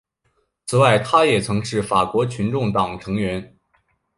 此外他也曾是法国群众党成员。